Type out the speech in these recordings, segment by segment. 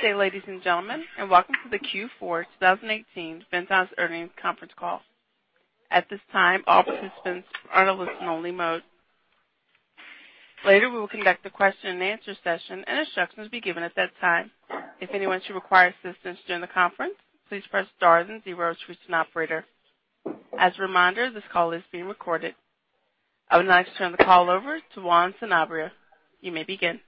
Good day, ladies and gentlemen, and welcome to the Q4 2018 Ventas Earnings Conference Call. At this time, all participants are in a listen-only mode. Later, we will conduct a question-and-answer session, and instructions will be given at that time. If anyone should require assistance during the conference, please press star, then zero to reach an operator. As a reminder, this call is being recorded. I would now like to turn the call over to Juan Sanabria. You may begin.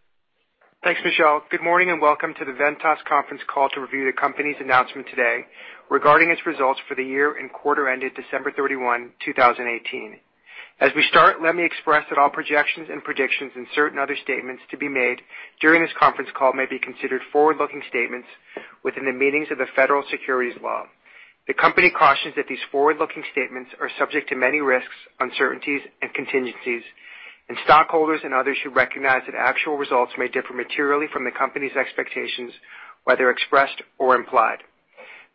Thanks, Michelle. Good morning, and welcome to the Ventas conference call to review the company's announcement today regarding its results for the year and quarter ended December 31, 2018. As we start, let me express that all projections and predictions and certain other statements to be made during this conference call may be considered forward-looking statements within the meanings of the Federal Securities Law. The company cautions that these forward-looking statements are subject to many risks, uncertainties and contingencies. Stockholders and others should recognize that actual results may differ materially from the company's expectations, whether expressed or implied.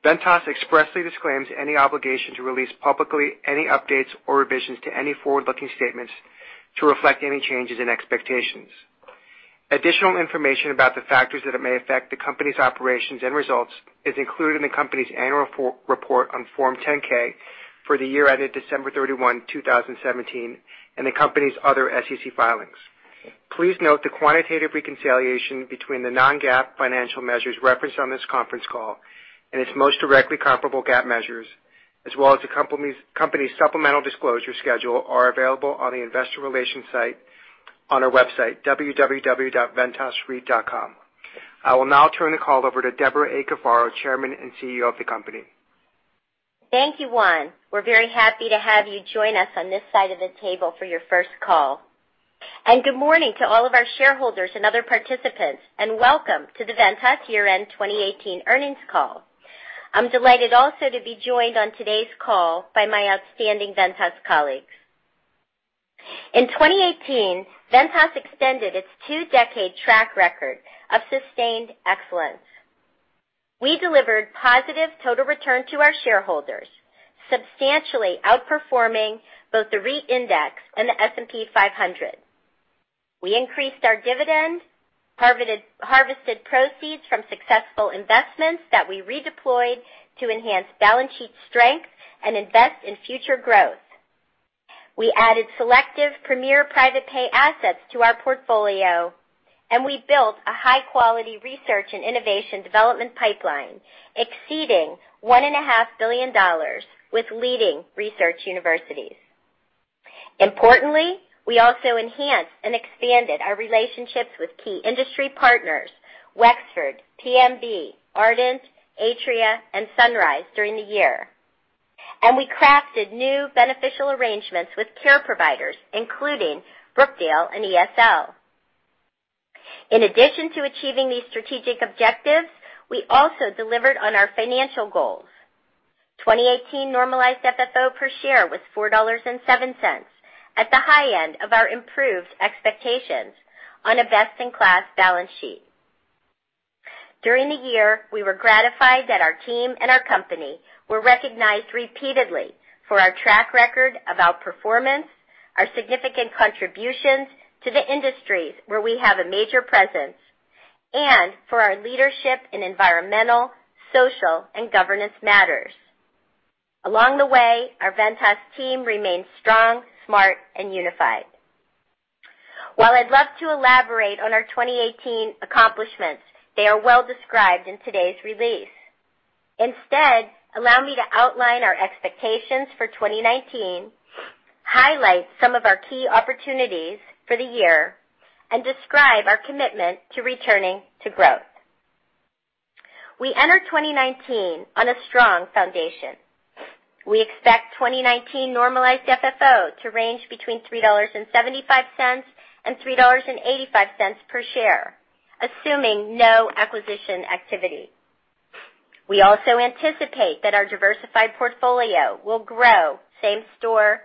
Ventas expressly disclaims any obligation to release publicly any updates or revisions to any forward-looking statements to reflect any changes in expectations. Additional information about the factors that may affect the company's operations and results is included in the company's annual report on Form 10-K for the year ended December 31, 2017, and the company's other SEC filings. Please note the quantitative reconciliation between the non-GAAP financial measures referenced on this conference call and its most directly comparable GAAP measures, as well as the company's supplemental disclosure schedule, are available on the investor relations site on our website, www.ventasreit.com. I will now turn the call over to Debra A. Cafaro, Chairman and CEO of the company. Thank you, Juan. We're very happy to have you join us on this side of the table for your first call. Good morning to all of our shareholders and other participants, and welcome to the Ventas year-end 2018 earnings call. I'm delighted also to be joined on today's call by my outstanding Ventas colleagues. In 2018, Ventas extended its two-decade track record of sustained excellence. We delivered positive total return to our shareholders, substantially outperforming both the REIT index and the S&P 500. We increased our dividend, harvested proceeds from successful investments that we redeployed to enhance balance sheet strength and invest in future growth. We added selective premier private pay assets to our portfolio, and we built a high-quality Research & Innovation development pipeline exceeding $1.5 billion with leading research universities. Importantly, we also enhanced and expanded our relationships with key industry partners, Wexford, PMB, Ardent, Atria and Sunrise during the year. We crafted new beneficial arrangements with care providers, including Brookdale and ESL. In addition to achieving these strategic objectives, we also delivered on our financial goals. 2018 normalized FFO per share was $4.07 at the high end of our improved expectations on a best-in-class balance sheet. During the year, we were gratified that our team and our company were recognized repeatedly for our track record of outperformance, our significant contributions to the industries where we have a major presence, and for our leadership in environmental, social, and governance matters. Along the way, our Ventas team remained strong, smart and unified. While I'd love to elaborate on our 2018 accomplishments, they are well described in today's release. Instead, allow me to outline our expectations for 2019, highlight some of our key opportunities for the year, and describe our commitment to returning to growth. We enter 2019 on a strong foundation. We expect 2019 normalized FFO to range between $3.75 and $3.85 per share, assuming no acquisition activity. We also anticipate that our diversified portfolio will grow same-store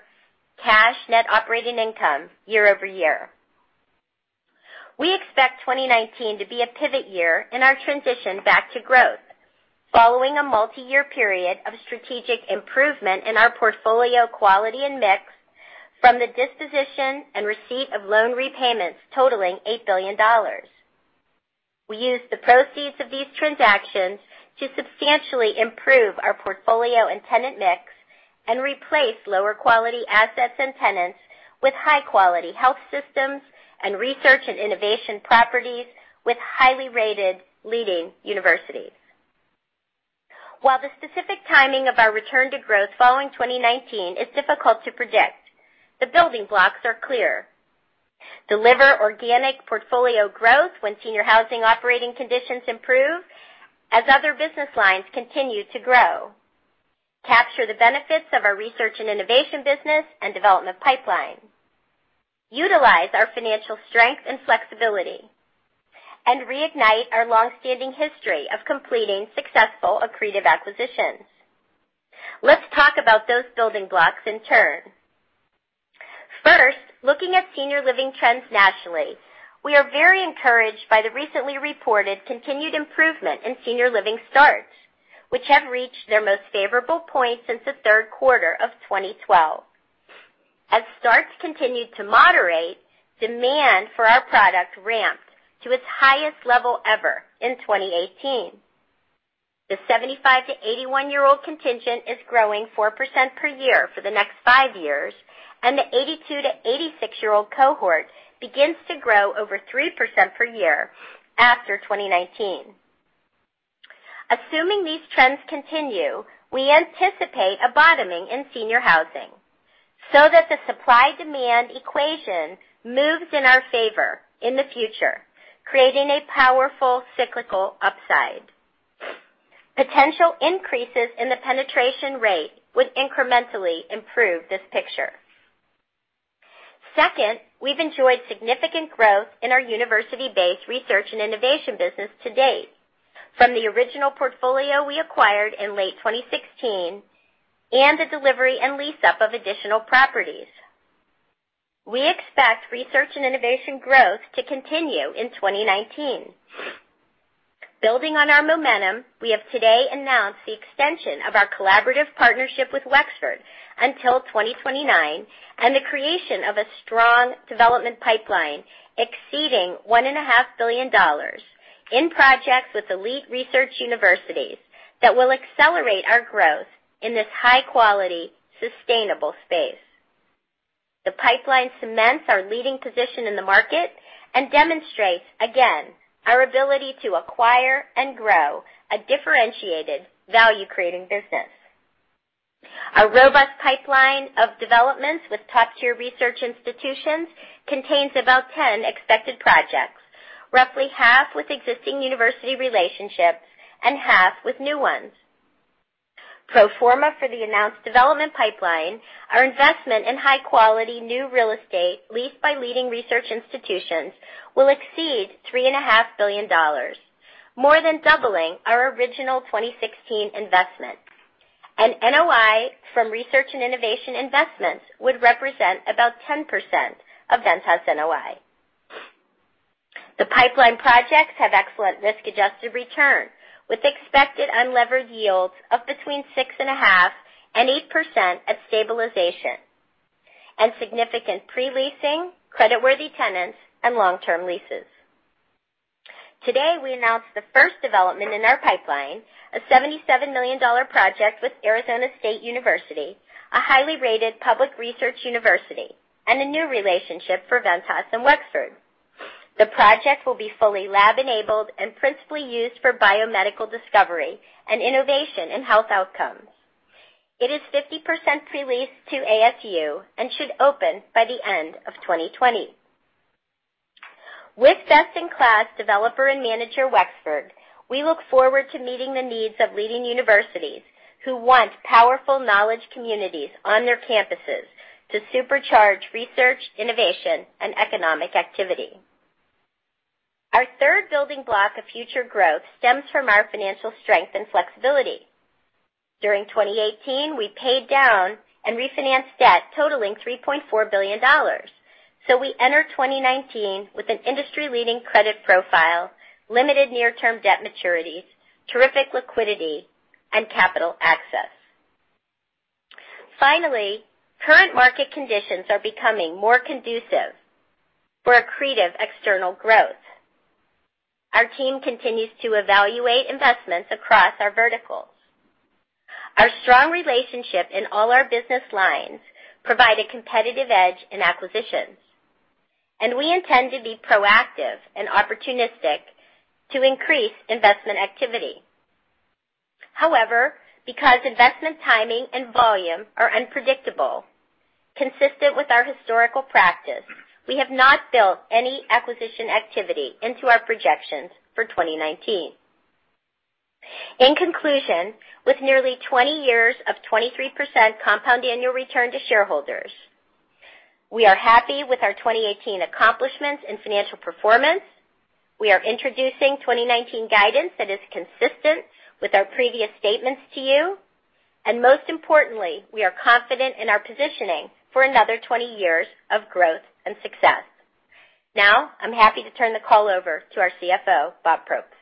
cash net operating income year-over-year. We expect 2019 to be a pivot year in our transition back to growth following a multi-year period of strategic improvement in our portfolio quality and mix from the disposition and receipt of loan repayments totaling $8 billion. We used the proceeds of these transactions to substantially improve our portfolio and tenant mix and replace lower quality assets and tenants with high quality health systems and Research & Innovation properties with highly rated leading universities. While the specific timing of our return to growth following 2019 is difficult to predict, the building blocks are clear. Deliver organic portfolio growth when senior housing operating conditions improve, as other business lines continue to grow. Capture the benefits of our Research & Innovation business and development pipeline. Utilize our financial strength and flexibility, reignite our long-standing history of completing successful accretive acquisitions. Let's talk about those building blocks in turn. First, looking at senior living trends nationally, we are very encouraged by the recently reported continued improvement in senior living starts, which have reached their most favorable point since the third quarter of 2012. Starts continued to moderate demand for our product ramped to its highest level ever in 2018. The 75 to 81-year-old contingent is growing 4% per year for the next five years. The 82 to 86-year-old cohort begins to grow over 3% per year after 2019. Assuming these trends continue, we anticipate a bottoming in senior housing so that the supply-demand equation moves in our favor in the future, creating a powerful cyclical upside. Potential increases in the penetration rate would incrementally improve this picture. Second, we've enjoyed significant growth in our university-based Research & Innovation business to date from the original portfolio we acquired in late 2016 and the delivery and lease-up of additional properties. We expect Research & Innovation growth to continue in 2019. Building on our momentum, we have today announced the extension of our collaborative partnership with Wexford until 2029 and the creation of a strong development pipeline exceeding $1.5 billion in projects with elite research universities that will accelerate our growth in this high-quality, sustainable space. The pipeline cements our leading position in the market and demonstrates again our ability to acquire and grow a differentiated value-creating business. Our robust pipeline of developments with top-tier research institutions contains about 10 expected projects, roughly half with existing university relationships and half with new ones. Pro forma for the announced development pipeline, our investment in high-quality new real estate leased by leading research institutions will exceed $3.5 billion, more than doubling our original 2016 investment. NOI from Research & Innovation investments would represent about 10% of Ventas NOI. The pipeline projects have excellent risk-adjusted return, with expected unlevered yields of between 6.5% and 8% at stabilization, and significant pre-leasing creditworthy tenants and long-term leases. Today, we announced the first development in our pipeline, a $77 million project with Arizona State University, a highly rated public research university and a new relationship for Ventas and Wexford. The project will be fully lab-enabled and principally used for biomedical discovery and innovation in health outcomes. It is 50% pre-leased to ASU and should open by the end of 2020. With best-in-class developer and manager Wexford, we look forward to meeting the needs of leading universities who want powerful knowledge communities on their campuses to supercharge research, innovation, and economic activity. Our third building block of future growth stems from our financial strength and flexibility. During 2018, we paid down and refinanced debt totaling $3.4 billion. We enter 2019 with an industry-leading credit profile, limited near-term debt maturities, terrific liquidity, and capital access. Finally, current market conditions are becoming more conducive for accretive external growth. Our team continues to evaluate investments across our verticals. Our strong relationship in all our business lines provide a competitive edge in acquisitions. We intend to be proactive and opportunistic to increase investment activity. However, because investment timing and volume are unpredictable, consistent with our historical practice, we have not built any acquisition activity into our projections for 2019. In conclusion, with nearly 20 years of 23% compound annual return to shareholders, we are happy with our 2018 accomplishments and financial performance. We are introducing 2019 guidance that is consistent with our previous statements to you. Most importantly, we are confident in our positioning for another 20 years of growth and success. Now I'm happy to turn the call over to our CFO, Bob Probst.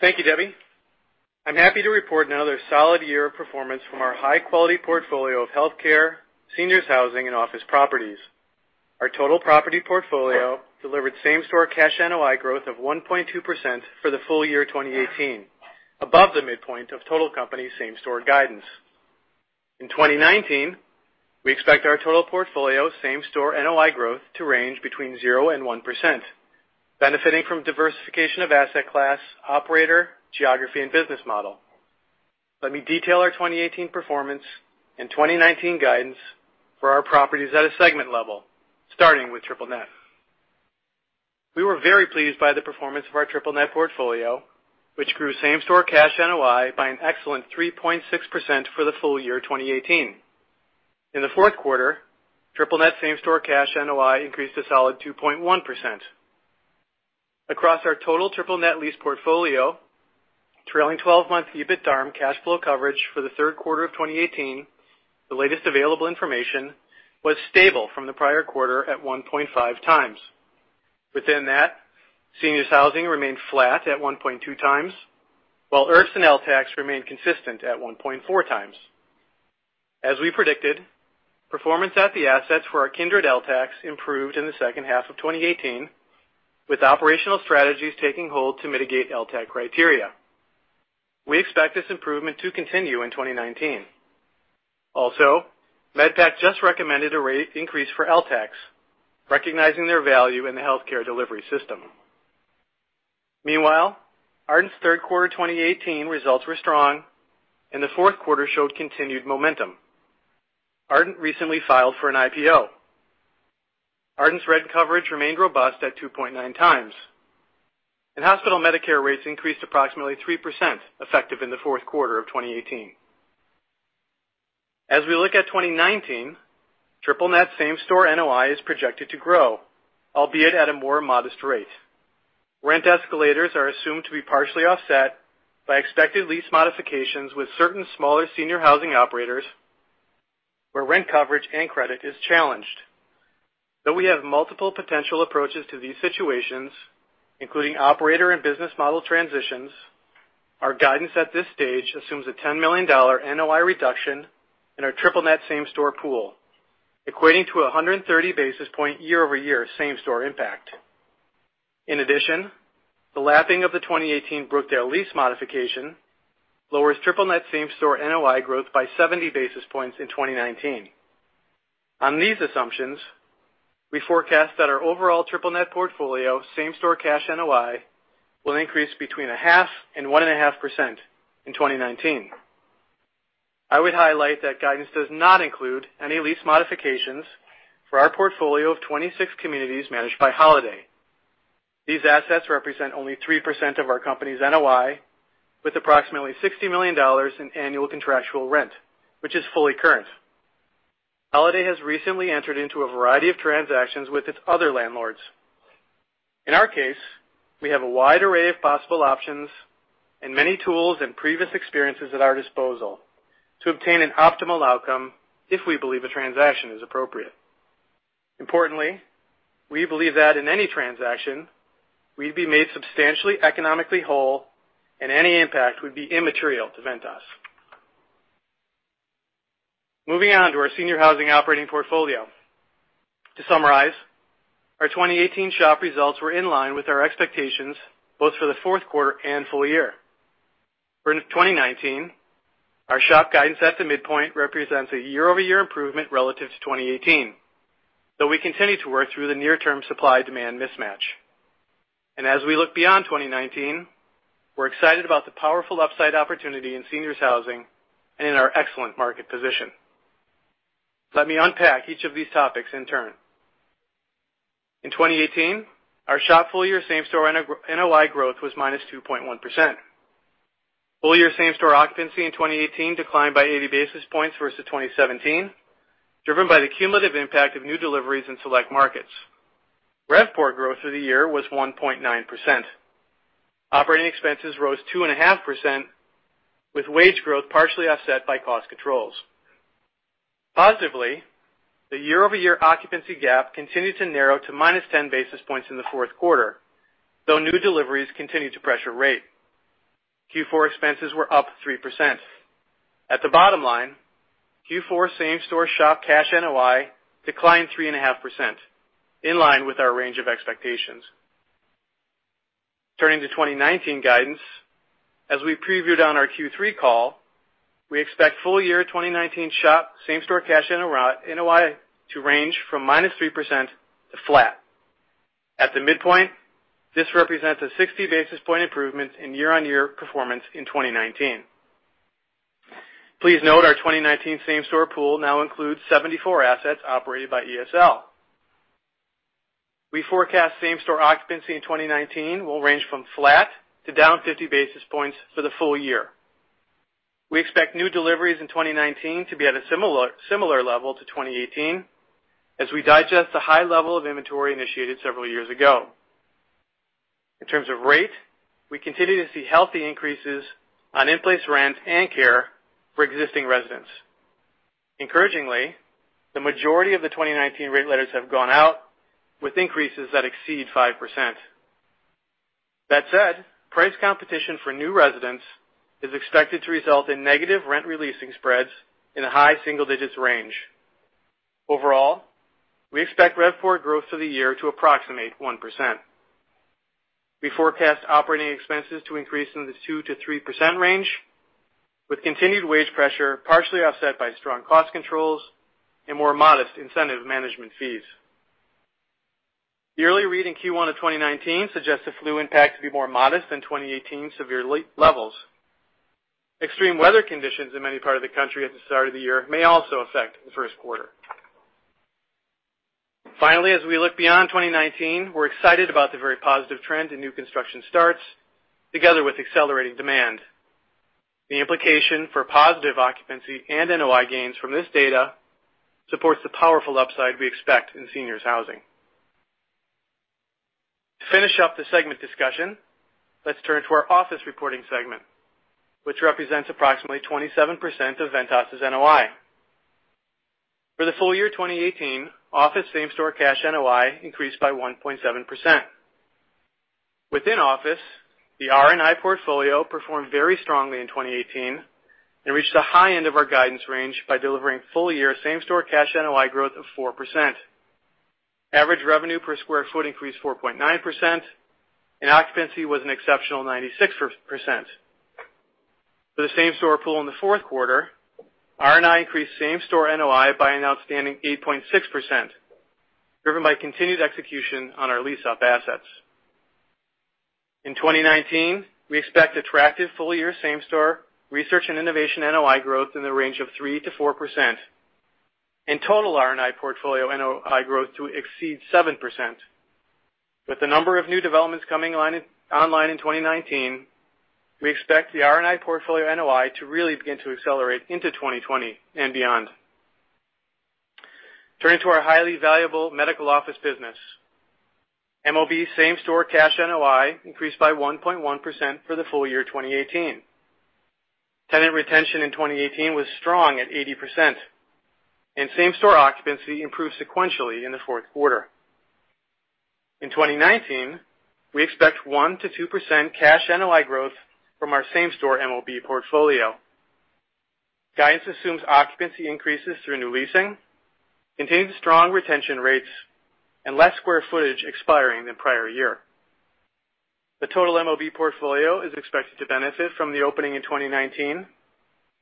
Thank you, Debbie. I'm happy to report another solid year of performance from our high-quality portfolio of healthcare, seniors housing, and office properties. Our total property portfolio delivered same-store cash NOI growth of 1.2% for the full year 2018, above the midpoint of total company same-store guidance. In 2019, we expect our total portfolio same-store NOI growth to range between zero and 1%, benefiting from diversification of asset class, operator, geography, and business model. Let me detail our 2018 performance and 2019 guidance for our properties at a segment level, starting with triple-net. We were very pleased by the performance of our triple-net portfolio, which grew same-store cash NOI by an excellent 3.6% for the full year 2018. In the fourth quarter, triple-net same-store cash NOI increased a solid 2.1%. Across our total triple-net lease portfolio, trailing 12-month EBITDARM cash flow coverage for the third quarter of 2018, the latest available information, was stable from the prior quarter at 1.5x. Within that, seniors housing remained flat at 1.2x, while IRFs and LTACs remained consistent at 1.4x. As we predicted, performance at the assets for our Kindred LTACs improved in the second half of 2018, with operational strategies taking hold to mitigate LTAC criteria. We expect this improvement to continue in 2019. MedPAC just recommended a rate increase for LTACs, recognizing their value in the healthcare delivery system. Meanwhile, Ardent's third quarter 2018 results were strong, and the fourth quarter showed continued momentum. Ardent recently filed for an IPO. Ardent's rent coverage remained robust at 2.9x, and hospital Medicare rates increased approximately 3%, effective in the fourth quarter of 2018. As we look at 2019, triple-net same-store NOI is projected to grow, albeit at a more modest rate. Rent escalators are assumed to be partially offset by expected lease modifications with certain smaller seniors housing operators, where rent coverage and credit is challenged. Though we have multiple potential approaches to these situations, including operator and business model transitions, our guidance at this stage assumes a $10 million NOI reduction in our triple-net same-store pool, equating to 130 basis points year-over-year same-store impact. In addition, the lapping of the 2018 Brookdale lease modification lowers triple-net same-store NOI growth by 70 basis points in 2019. On these assumptions, we forecast that our overall triple-net portfolio same-store cash NOI will increase between a 0.5% and 1.5% in 2019. I would highlight that guidance does not include any lease modifications for our portfolio of 26 communities managed by Holiday. These assets represent only 3% of our company's NOI, with approximately $60 million in annual contractual rent, which is fully current. Holiday has recently entered into a variety of transactions with its other landlords. In our case, we have a wide array of possible options and many tools and previous experiences at our disposal to obtain an optimal outcome if we believe a transaction is appropriate. Importantly, we believe that in any transaction, we'd be made substantially economically whole, and any impact would be immaterial to Ventas. Moving on to our seniors housing operating portfolio. To summarize, our 2018 SHOP results were in line with our expectations both for the fourth quarter and full year. For 2019, our SHOP guidance at the midpoint represents a year-over-year improvement relative to 2018, though we continue to work through the near-term supply-demand mismatch. As we look beyond 2019, we're excited about the powerful upside opportunity in seniors housing and in our excellent market position. Let me unpack each of these topics in turn. In 2018, our SHOP full-year same-store NOI growth was -2.1%. Full-year same-store occupancy in 2018 declined by 80 basis points versus 2017, driven by the cumulative impact of new deliveries in select markets. RevPOR growth for the year was 1.9%. Operating expenses rose 2.5%, with wage growth partially offset by cost controls. Positively, the year-over-year occupancy gap continued to narrow to -10 basis points in the fourth quarter, though new deliveries continued to pressure rate. Q4 expenses were up 3%. At the bottom line, Q4 same-store SHOP cash NOI declined 3.5%, in line with our range of expectations. Turning to 2019 guidance, as we previewed on our Q3 call, we expect full-year 2019 SHOP same-store cash NOI to range from -3% to flat. At the midpoint, this represents a 60 basis point improvement in year-on-year performance in 2019. Please note our 2019 same-store pool now includes 74 assets operated by ESL. We forecast same-store occupancy in 2019 will range from flat to down 50 basis points for the full year. We expect new deliveries in 2019 to be at a similar level to 2018, as we digest the high level of inventory initiated several years ago. In terms of rate, we continue to see healthy increases on in-place rent and care for existing residents. Encouragingly, the majority of the 2019 rate letters have gone out with increases that exceed 5%. That said, price competition for new residents is expected to result in negative rent releasing spreads in a high single-digits range. Overall, we expect RevPOR growth for the year to approximate 1%. We forecast operating expenses to increase in the 2%-3% range, with continued wage pressure partially offset by strong cost controls and more modest incentive management fees. The early read in Q1 of 2019 suggests the flu impact to be more modest than 2018 severe levels. Extreme weather conditions in many parts of the country at the start of the year may also affect the first quarter. Finally, as we look beyond 2019, we're excited about the very positive trend in new construction starts, together with accelerating demand. The implication for positive occupancy and NOI gains from this data supports the powerful upside we expect in seniors housing. To finish up the segment discussion, let's turn to our office reporting segment, which represents approximately 27% of Ventas's NOI. For the full year 2018, office same-store cash NOI increased by 1.7%. Within office, the R&I portfolio performed very strongly in 2018 and reached the high end of our guidance range by delivering full-year same-store cash NOI growth of 4%. Average revenue per square foot increased 4.9%, and occupancy was an exceptional 96%. For the same-store pool in the fourth quarter, R&I increased same-store NOI by an outstanding 8.6%, driven by continued execution on our lease-up assets. In 2019, we expect attractive full-year same-store Research & Innovation NOI growth in the range of 3%-4%. In total R&I portfolio NOI growth to exceed 7%. With the number of new developments coming online in 2019, we expect the R&I portfolio NOI to really begin to accelerate into 2020 and beyond. Turning to our highly valuable medical office business, MOB same-store cash NOI increased by 1.1% for the full year 2018. Tenant retention in 2018 was strong at 80%, and same-store occupancy improved sequentially in the fourth quarter. In 2019, we expect 1%-2% cash NOI growth from our same-store MOB portfolio. Guidance assumes occupancy increases through new leasing, contains strong retention rates, and less square footage expiring than prior year. The total MOB portfolio is expected to benefit from the opening in 2019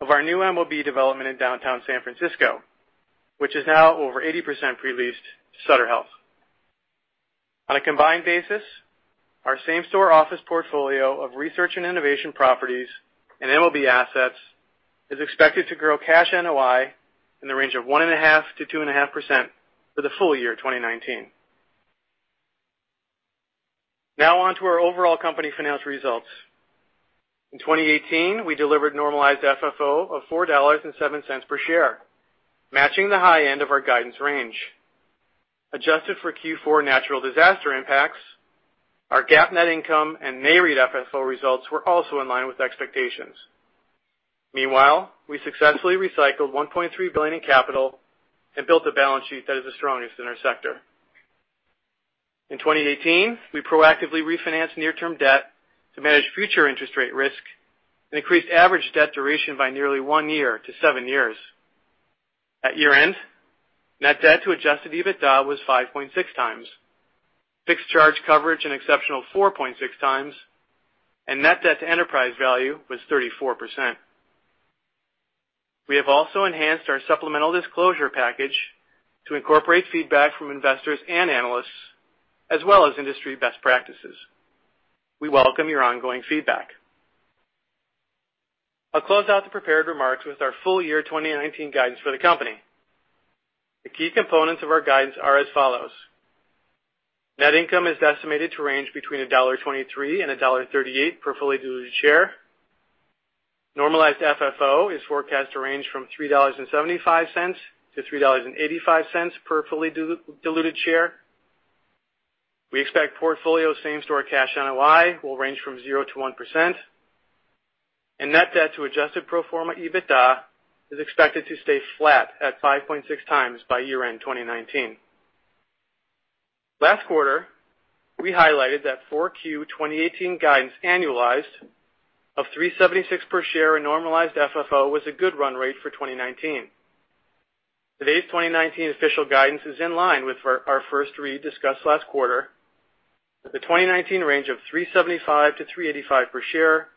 of our new MOB development in downtown San Francisco, which is now over 80% pre-leased to Sutter Health. On a combined basis, our same-store office portfolio of Research & Innovation properties and MOB assets is expected to grow cash NOI in the range of 1.5%-2.5% for the full year 2019. On to our overall company financial results. In 2018, we delivered normalized FFO of $4.07 per share, matching the high end of our guidance range. Adjusted for Q4 natural disaster impacts, our GAAP net income and Nareit FFO results were also in line with expectations. Meanwhile, we successfully recycled $1.3 billion in capital and built a balance sheet that is the strongest in our sector. In 2018, we proactively refinanced near-term debt to manage future interest rate risk and increased average debt duration by nearly one year to seven years. At year-end, net debt to adjusted EBITDA was 5.6x. Fixed charge coverage an exceptional 4.6x, and net debt to enterprise value was 34%. We have also enhanced our supplemental disclosure package to incorporate feedback from investors and analysts as well as industry best practices. We welcome your ongoing feedback. I'll close out the prepared remarks with our full-year 2019 guidance for the company. The key components of our guidance are as follows. Net income is estimated to range between $1.23 and $1.38 per fully diluted share. Normalized FFO is forecast to range from $3.75-$3.85 per fully diluted share. We expect portfolio same-store cash NOI will range from 0%-1%, and net debt to adjusted pro forma EBITDA is expected to stay flat at 5.6x by year-end 2019. Last quarter, we highlighted that Q4 2018 guidance annualized of $3.76 per share in normalized FFO was a good run rate for 2019. Today's 2019 official guidance is in line with our first read discussed last quarter, with the 2019 range of $3.75-$3.85 per share,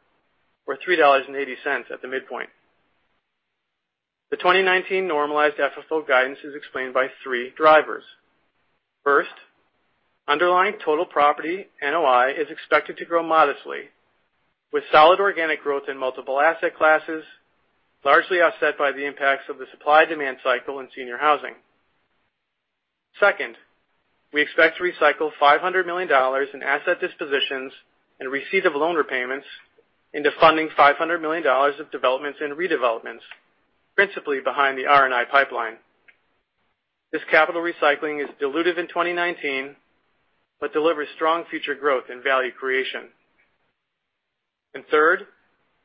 or $3.80 at the midpoint. The 2019 normalized FFO guidance is explained by three drivers. First, underlying total property NOI is expected to grow modestly, with solid organic growth in multiple asset classes, largely offset by the impacts of the supply-demand cycle in senior housing. Second, we expect to recycle $500 million in asset dispositions and receipt of loan repayments into funding $500 million of developments and redevelopments, principally behind the R&I pipeline. This capital recycling is dilutive in 2019 but delivers strong future growth and value creation. Third,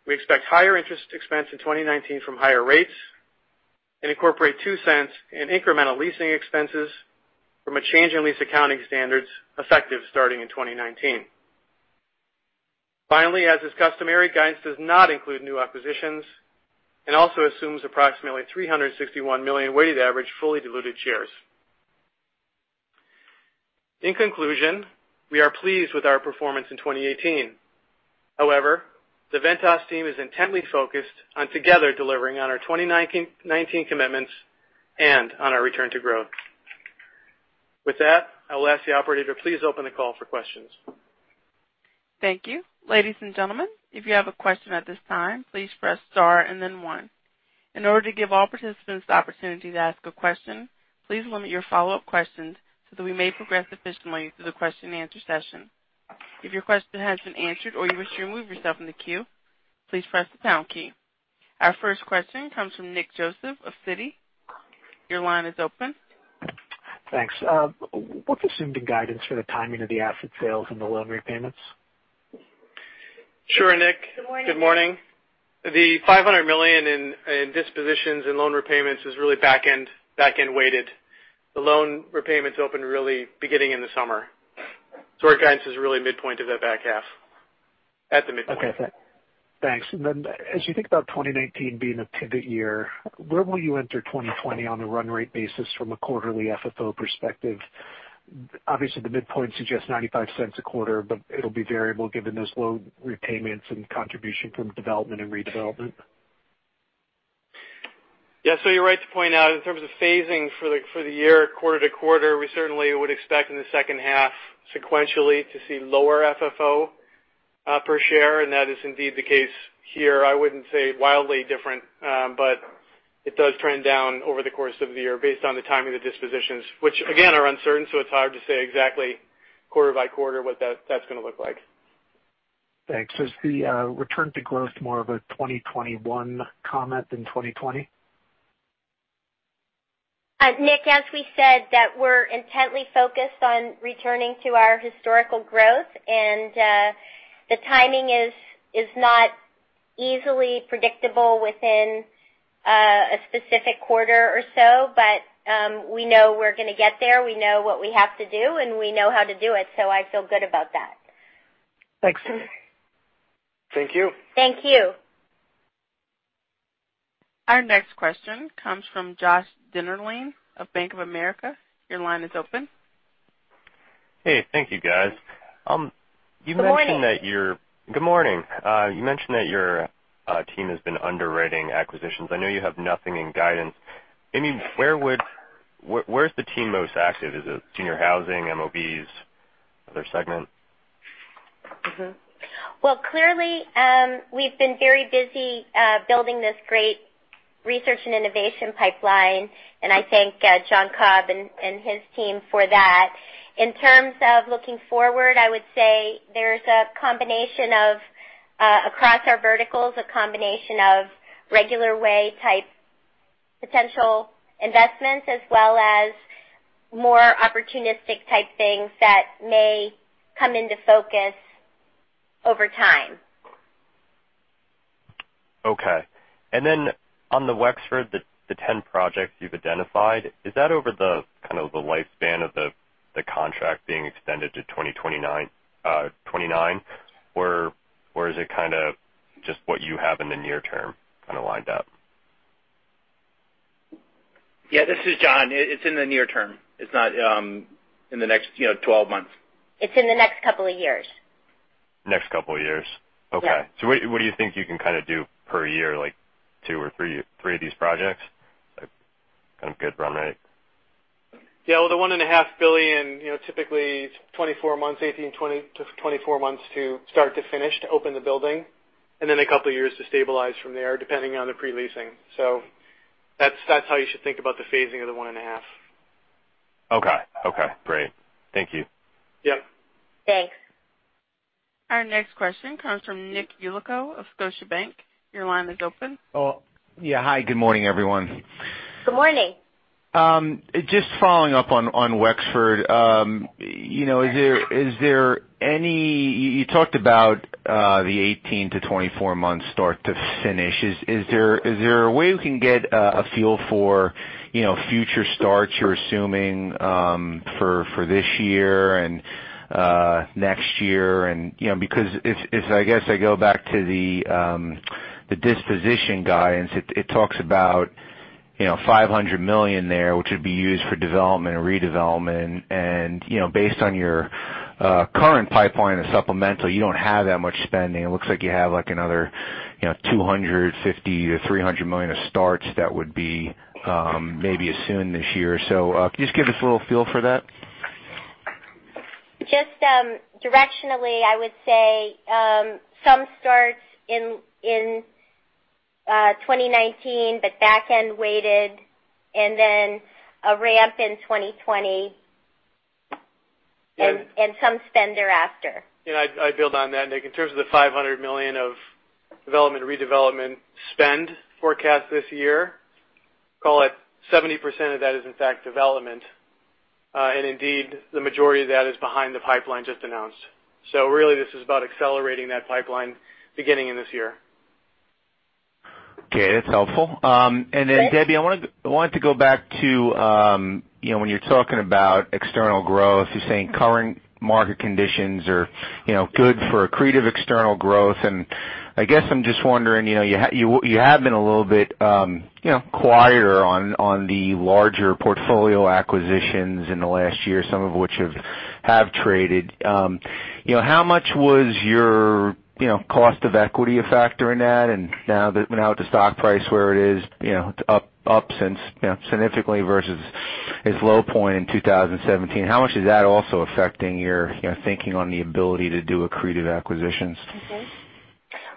we expect higher interest expense in 2019 from higher rates and incorporate $0.02 in incremental leasing expenses from a change in lease accounting standards effective starting in 2019. As is customary, guidance does not include new acquisitions and also assumes approximately 361 million weighted average fully diluted shares. In conclusion, we are pleased with our performance in 2018. The Ventas team is intently focused on together delivering on our 2019 commitments and on our return to growth. With that, I will ask the operator to please open the call for questions. Thank you. Ladies and gentlemen, if you have a question at this time, please press star and then one. In order to give all participants the opportunity to ask a question, please limit your follow-up questions so that we may progress efficiently through the question-and-answer session. If your question has been answered or you wish to remove yourself from the queue, please press the pound key. Our first question comes from Nick Joseph of Citi. Your line is open. Thanks. What's assumed in guidance for the timing of the asset sales and the loan repayments? Sure, Nick. Good morning. Good morning. The $500 million in dispositions and loan repayments is really back-end weighted. The loan repayments open, really, beginning in the summer. Our guidance is really midpoint of that back half, at the midpoint. Okay, thanks. As you think about 2019 being a pivot year, where will you enter 2020 on a run rate basis from a quarterly FFO perspective? Obviously, the midpoint suggests $0.95 a quarter, but it'll be variable given those loan repayments and contribution from development and redevelopment. Yeah. You're right to point out in terms of phasing for the year, quarter to quarter, we certainly would expect in the second half sequentially to see lower FFO per share, and that is indeed the case here. I wouldn't say wildly different. It does trend down over the course of the year based on the timing of the dispositions, which again are uncertain, so it's hard to say exactly quarter by quarter what that's gonna look like. Thanks. Is the return to growth more of a 2021 comment than 2020? Nick, as we said that, we're intently focused on returning to our historical growth, and the timing is not easily predictable within a specific quarter or so. We know we're gonna get there. We know what we have to do, and we know how to do it. I feel good about that. Thanks. Thank you. Thank you. Our next question comes from Josh Dennerlein of Bank of America. Your line is open. Hey, thank you, guys. Good morning. Good morning. You mentioned that your team has been underwriting acquisitions. I know you have nothing in guidance. I mean, where's the team most active? Is it senior housing, MOBs, other segment? Well, clearly, we've been very busy building this great Research & Innovation pipeline, and I thank John Cobb and his team for that. In terms of looking forward, I would say there's, across our verticals, a combination of regular way-type potential investments, as well as more opportunistic-type things that may come into focus over time. Okay. Then on the Wexford, the 10 projects you've identified, is that over the kind of the lifespan of the contract being extended to 2029? Is it kind of just what you have in the near term kind of lined up? Yeah, this is John. It's in the near term. It's not in the next 12 months. It's in the next couple of years. Next couple of years. Yeah. Okay. What do you think you can kind of do per year, like two or three of these projects? Like, kind of good run rate? Yeah. Well, the $1.5 billion, typically 24 months, 18 to 24 months to start to finish, to open the building, and then a couple of years to stabilize from there, depending on the pre-leasing. That's how you should think about the phasing of the 1.5. Okay. Great. Thank you. Yeah. Thanks. Our next question comes from Nick Yulico of Scotiabank. Your line is open. Oh, yeah. Hi, good morning, everyone. Good morning. Just following up on Wexford. You talked about the 18-24 months start to finish. Is there a way we can get a feel for future starts you're assuming for this year and next year? Because if, I guess I go back to the disposition guidance, it talks about $500 million there, which would be used for development and redevelopment. Based on your current pipeline of supplemental, you don't have that much spending. It looks like you have like another $250 million-$300 million of starts that would be maybe as soon this year. Can you just give us a little feel for that? Just directionally, I would say some starts in 2019, but back-end weighted and then a ramp in 2020. Some spend thereafter. I'd build on that, Nick. In terms of the $500 million of development, redevelopment spend forecast this year, call it 70% of that is in fact development. Indeed, the majority of that is behind the pipeline just announced. Really, this is about accelerating that pipeline beginning in this year. Okay, that's helpful. Great Debbie, I wanted to go back to when you're talking about external growth, you're saying current market conditions are good for accretive external growth. I guess I'm just wondering, you have been a little bit quieter on the larger portfolio acquisitions in the last year, some of which have traded. How much was your cost of equity a factor in that? Now, with the stock price where it is, up since, significantly versus its low point in 2017, how much is that also affecting your thinking on the ability to do accretive acquisitions?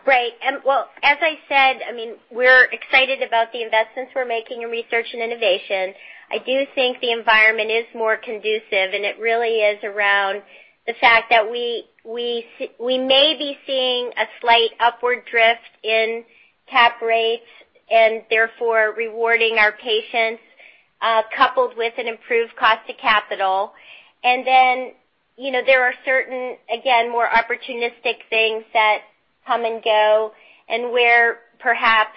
Right. Well, as I said, I mean, we're excited about the investments we're making in Research & Innovation. I do think the environment is more conducive, and it really is around the fact that we may be seeing a slight upward drift in cap rates and therefore rewarding our patience. Coupled with an improved cost to capital. Then, there are certain, again, more opportunistic things that come and go, and where perhaps,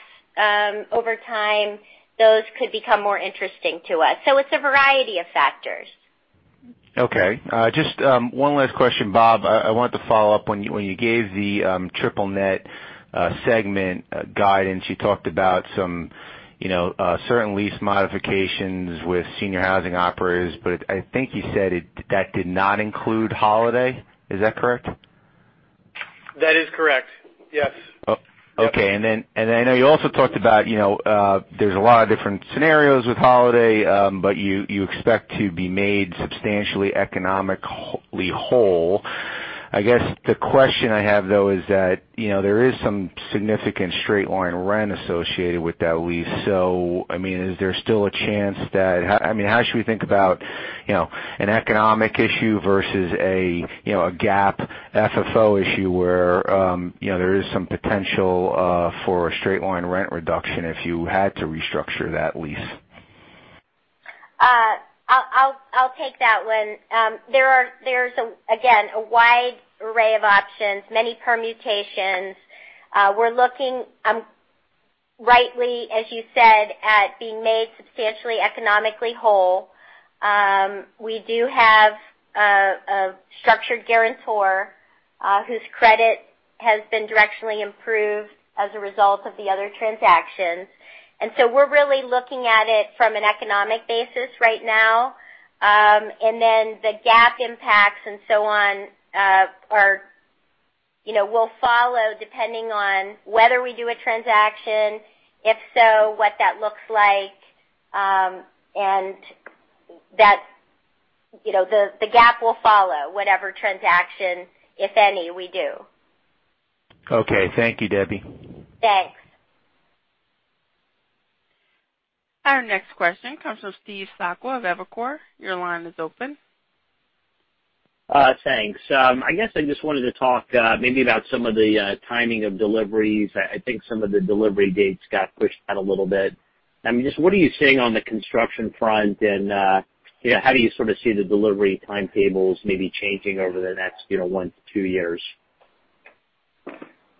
over time, those could become more interesting to us. It's a variety of factors. Okay. Just one last question. Bob, I wanted to follow up. When you gave the triple net segment guidance, you talked about some certain lease modifications with senior housing operators, but I think you said that did not include Holiday. Is that correct? That is correct. Yes. Okay. Then I know you also talked about, there's a lot of different scenarios with Holiday, but you expect to be made substantially economically whole. I guess the question I have, though, is that, there is some significant straight line rent associated with that lease. How should we think about an economic issue versus a GAAP FFO issue where there is some potential for a straight-line rent reduction if you had to restructure that lease? I'll take that one. There's, again, a wide array of options, many permutations. We're looking, rightly, as you said, at being made substantially economically whole. We do have a structured guarantor whose credit has been directionally improved as a result of the other transactions. We're really looking at it from an economic basis right now. The GAAP impacts and so on will follow depending on whether we do a transaction, if so, what that looks like, and the GAAP will follow whatever transaction, if any, we do. Okay. Thank you, Debbie. Thanks. Our next question comes from Steve Sakwa of Evercore. Your line is open. Thanks. I guess I just wanted to talk, maybe about some of the timing of deliveries. I think some of the delivery dates got pushed out a little bit. Just what are you seeing on the construction front and how do you sort of see the delivery timetables maybe changing over the next one to two years?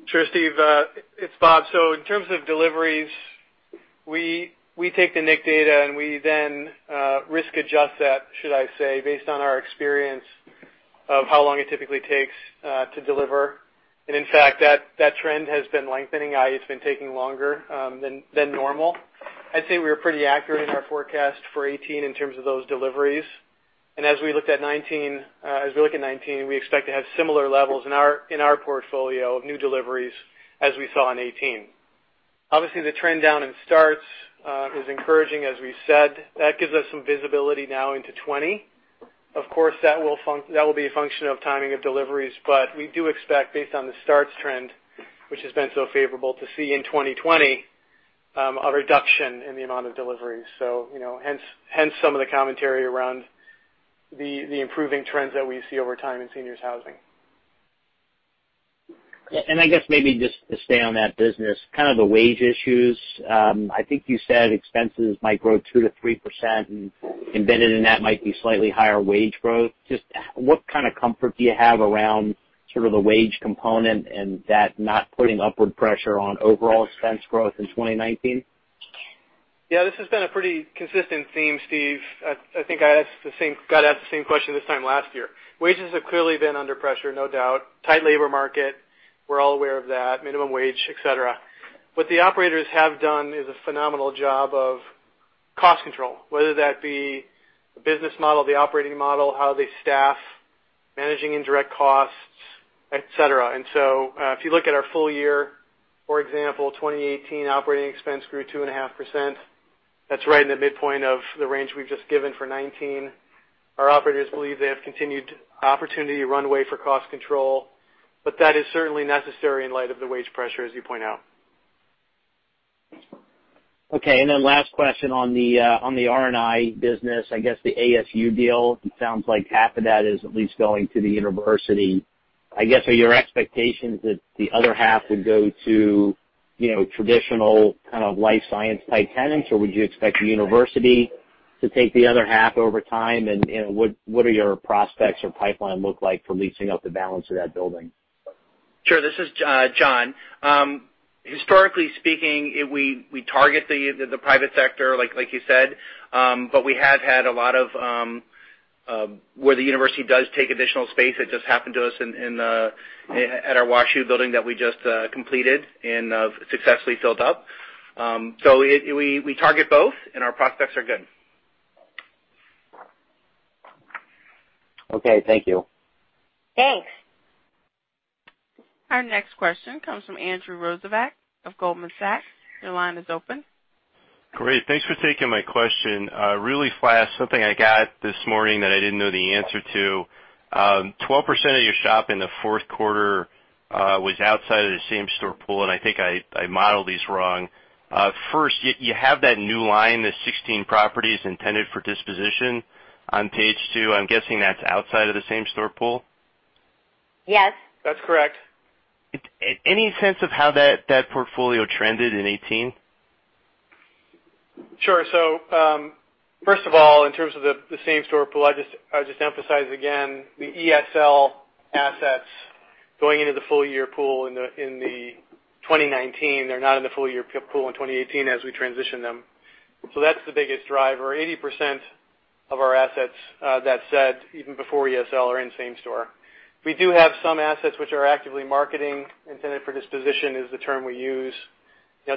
Sure, Steve. It's Bob. In terms of deliveries, we take the NIC data and we then risk adjust that, should I say, based on our experience of how long it typically takes to deliver. In fact, that trend has been lengthening, i.e., it's been taking longer than normal. I'd say we were pretty accurate in our forecast for 2018 in terms of those deliveries. As we look at 2019, we expect to have similar levels in our portfolio of new deliveries as we saw in 2018. Obviously, the trend down in starts is encouraging, as we said. That gives us some visibility now into 2020. Of course, that will be a function of timing of deliveries. We do expect, based on the starts trend, which has been so favorable to see in 2020, a reduction in the amount of deliveries. Hence, some of the commentary around the improving trends that we see over time in seniors housing. I guess maybe just to stay on that business, kind of the wage issues. I think you said expenses might grow 2%-3%, and embedded in that might be slightly higher wage growth. Just what kind of comfort do you have around sort of the wage component, and that not putting upward pressure on overall expense growth in 2019? Yeah, this has been a pretty consistent theme, Steve. I think I got asked the same question this time last year. Wages have clearly been under pressure, no doubt. Tight labor market, we're all aware of that, minimum wage, et cetera. What the operators have done is a phenomenal job of cost control, whether that be the business model, the operating model, how they staff, managing indirect costs, et cetera. If you look at our full year, for example, 2018 operating expense grew 2.5%. That's right in the midpoint of the range we've just given for 2019. Our operators believe they have continued opportunity runway for cost control, that is certainly necessary in light of the wage pressure, as you point out. Okay. Last question on the R&I business, I guess the ASU deal, it sounds like half of that is at least going to the university. I guess, are your expectations that the other half would go to traditional kind of life science-type tenants, or would you expect the university to take the other half over time? What do your prospects or pipeline look like for leasing up the balance of that building? Sure. This is John. Historically speaking, we target the private sector, like you said, but we have had a lot of where the university does take additional space. It just happened to us at our WashU building that we just completed and successfully filled up. We target both, and our prospects are good. Okay. Thank you. Thanks. Our next question comes from Andrew Rosivach of Goldman Sachs. Your line is open. Great. Thanks for taking my question. Really fast, something I got this morning that I didn't know the answer to. 12% of your SHOP in the fourth quarter was outside of the same-store pool, and I think I modeled these wrong. First, you have that new line, the 16 properties intended for disposition on page two. I'm guessing that's outside of the same-store pool? Yes. That's correct. Any sense of how that portfolio trended in 2018? Sure. First of all, in terms of the same-store pool, I'll just emphasize again the Experience Senior Living assets going into the full year pool in 2019. They're not in the full-year pool in 2018 as we transition them. That's the biggest driver, 80% of our assets, that said, even before ESL are in same-store. We do have some assets which are actively marketing. Intended for disposition is the term we use.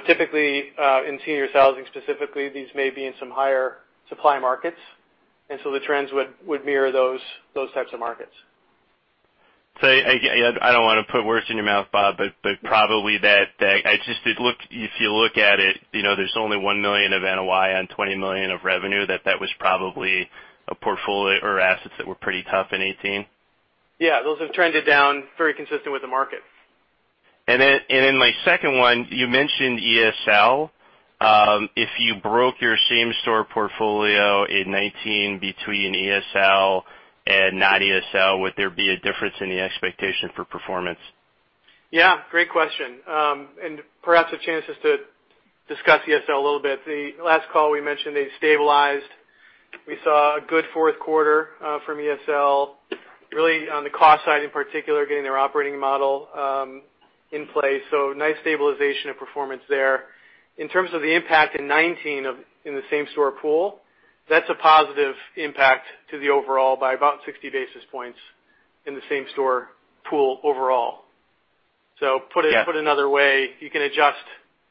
Typically, in senior housing specifically, these may be in some higher supply markets; the trends would mirror those types of markets. I don't want to put words in your mouth, Bob, but probably if you look at it, there's only $1 million of NOI on $20 million of revenue, that was probably a portfolio or assets that were pretty tough in 2018. Yeah, those have trended down very consistent with the market. In my second one, you mentioned ESL. If you broke your same-store portfolio in 2019 between ESL and not ESL, would there be a difference in the expectation for performance? Yeah, great question. Perhaps a chance just to discuss ESL a little bit. The last call, we mentioned they stabilized. We saw a good fourth quarter from ESL, really on the cost side in particular, getting their operating model in place. Nice stabilization of performance there. In terms of the impact in 2019 in the same-store pool, that's a positive impact to the overall by about 60 basis points in the same-store pool overall. Yeah. Put another way, you can adjust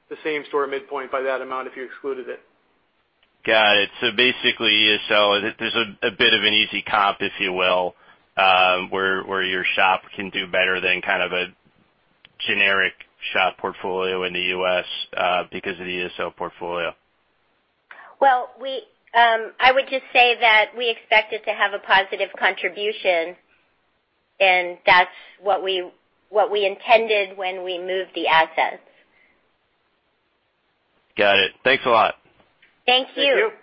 the same-store midpoint by that amount if you excluded it. Got it. Basically, ESL, there's a bit of an easy comp, if you will, where your SHOP can do better than kind of a generic SHOP portfolio in the U.S. because of the ESL portfolio. Well, I would just say that we expect it to have a positive contribution, and that's what we intended when we moved the assets. Got it. Thanks a lot. Thank you. Thank you.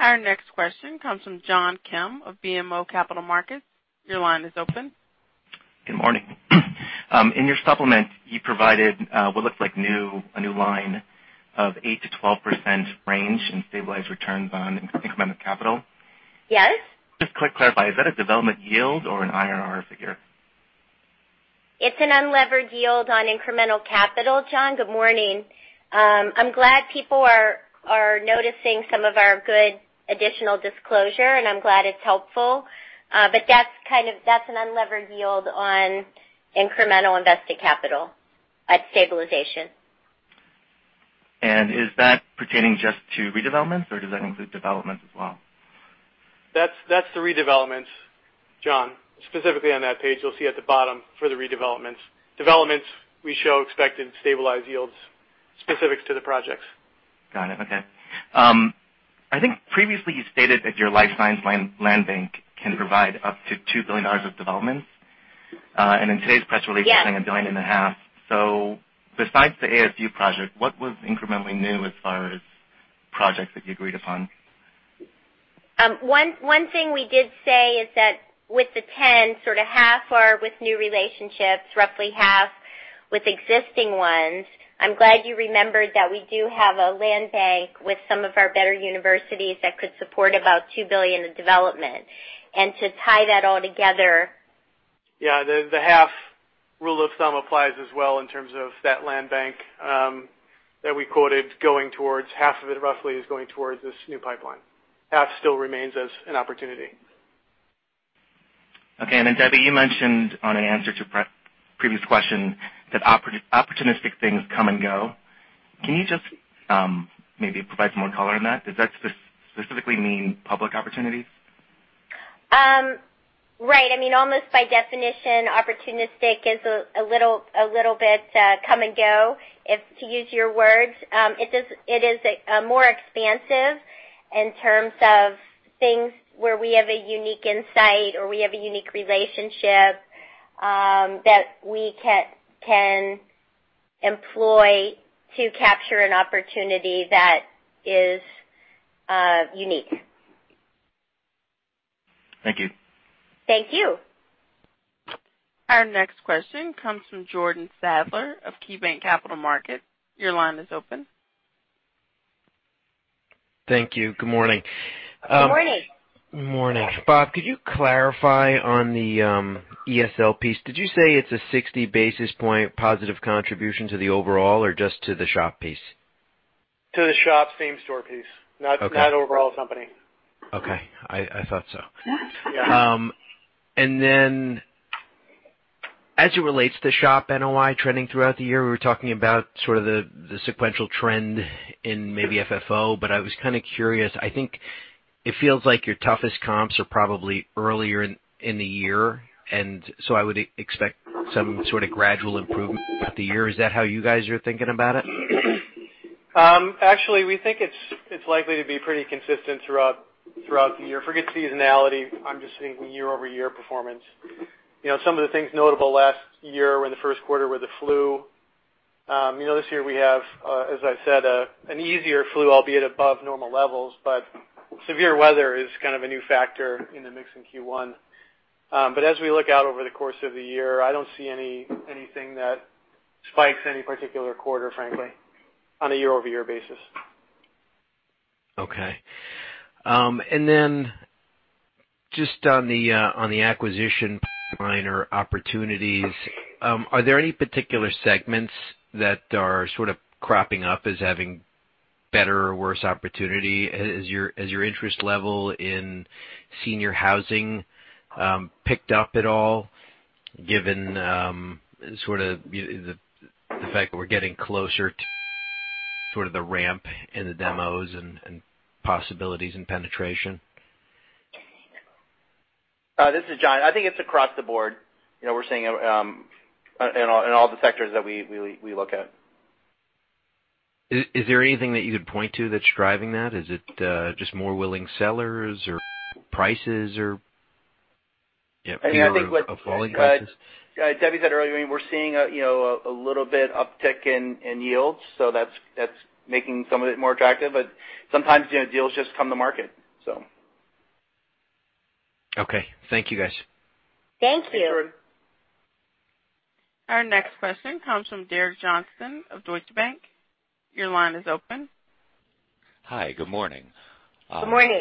Our next question comes from John Kim of BMO Capital Markets. Your line is open. Good morning. In your supplement, you provided what looks like a new line of 8%-12% range in stabilized returns on incremental capital. Yes. Just quick clarify, is that a development yield or an IRR figure? It's an unlevered yield on incremental capital, John. Good morning. I'm glad people are noticing some of our good additional disclosure, and I'm glad it's helpful. That's an unlevered yield on incremental invested capital at stabilization. Is that pertaining just to redevelopments, or does that include developments as well? That's the redevelopments, John. Specifically on that page, you'll see at the bottom for the redevelopments. Developments, we show expected stabilized yields specific to the projects. Got it. Okay. I think previously you stated that your life science land bank can provide up to $2 billion of developments. in today's press release- Yes You're saying $1.5 billion. Besides the ASU project, what was incrementally new as far as projects that you agreed upon? One thing we did say is that with the 10, sort of half are with new relationships, roughly half with existing ones. I'm glad you remembered that we do have a land bank with some of our better universities that could support about $2 billion in development. to tie that all together- The half rule of thumb applies as well in terms of that land bank that we quoted, going towards half of it roughly is going towards this new pipeline. Half still remains as an opportunity. Okay. Debbie, you mentioned on an answer to previous question that opportunistic things come and go. Can you just maybe provide some more color on that? Does that specifically mean public opportunities? Right. Almost by definition, opportunistic is a little bit come and go, if to use your words. It is more expansive in terms of things where we have a unique insight, or we have a unique relationship that we can employ to capture an opportunity that is unique. Thank you. Thank you. Our next question comes from Jordan Sadler of KeyBanc Capital Markets. Your line is open. Thank you. Good morning. Good morning. Good morning. Bob, could you clarify on the ESL piece? Did you say it's a 60-basis-point positive contribution to the overall or just to the SHOP piece? To the SHOP same-store piece. Okay. Not overall company. Okay. I thought so. Yeah. As it relates to SHOP NOI trending throughout the year, we were talking about sort of the sequential trend in maybe FFO, I was kind of curious.. I think it feels like your toughest comps are probably earlier in the year. I would expect some sort of gradual improvement throughout the year. Is that how you guys are thinking about it? Actually, we think it's likely to be pretty consistent throughout the year. Forget seasonality, I'm just thinking year-over-year performance. Some of the things notable last year in the first quarter were the flu. This year we have, as I've said, an easier flu, albeit above normal levels, but severe weather is kind of a new factor in the mix in Q1. As we look out over the course of the year, I don't see anything that spikes any particular quarter, frankly, on a year-over-year basis. Okay. Then, just on the acquisition pipeline or opportunities, are there any particular segments that are sort of cropping up as having better or worse opportunity? Has your interest level in senior housing picked up at all, given the fact that we're getting closer to the ramp in the demos and possibilities in penetration? This is John. I think it's across the board. We're seeing in all the sectors that we look at. Is there anything that you could point to that's driving that? Is it just more willing sellers or prices or a falling guidance? Debbie said earlier, we're seeing a little bit uptick in yields, that's making some of it more attractive. Sometimes deals just come to market. Okay. Thank you, guys. Thank you. Thanks, Jordan. Our next question comes from Derek Johnson of Deutsche Bank. Your line is open. Hi, good morning. Good morning.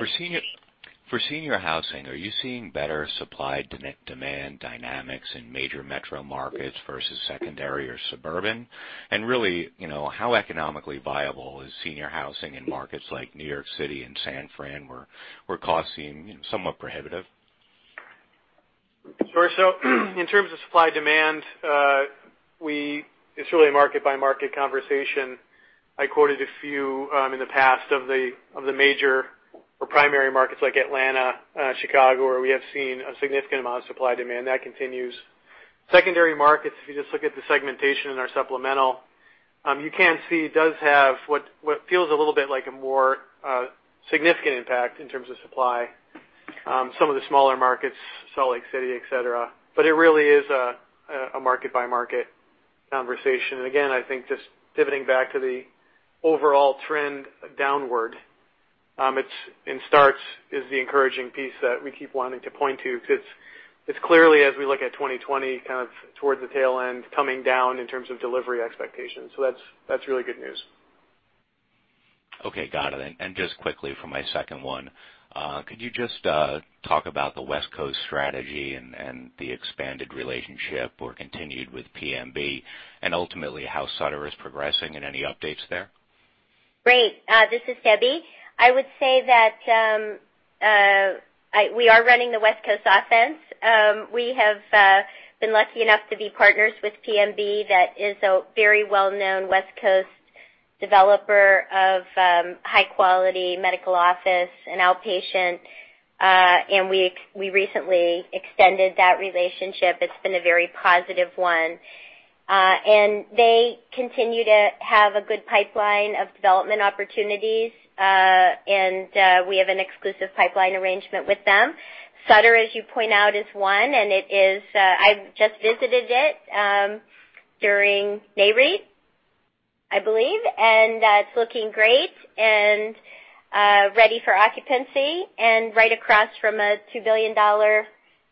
For senior housing, are you seeing better supply-demand dynamics in major metro markets versus secondary or suburban? Really, how economically viable is senior housing in markets like New York City and San Fran, where costs seem somewhat prohibitive? Sure. In terms of supply-demand, it's really a market-by-market conversation. I quoted a few in the past of the major or primary markets, like Atlanta, Chicago, where we have seen a significant amount of supply-demand. That continues. Secondary markets, if you just look at the segmentation in our supplemental, you can see does have what feels a little bit like a more significant impact in terms of supply. Some of the smaller markets, Salt Lake City, et cetera. It really is a market-by-market conversation. Again, I think just pivoting back to the overall trend downward, it starts is the encouraging piece that we keep wanting to point to, because it's clearly, as we look at 2020, kind of towards the tail end, coming down in terms of delivery expectations. That's really good news. Okay. Got it. Just quickly for my second one, could you just talk about the West Coast strategy and the expanded relationship or continued with PMB, and ultimately how Sutter is progressing and any updates there? Great. This is Debbie. I would say that we are running the West Coast offense. We have been lucky enough to be partners with PMB, that is a very well-known West Coast developer of high-quality medical office and outpatient. We recently extended that relationship. It's been a very positive one. They continue to have a good pipeline of development opportunities. We have an exclusive pipeline arrangement with them. Sutter, as you point out, is one. I've just visited it during Nareit, I believe, and it's looking great and ready for occupancy, and right across from a $2 billion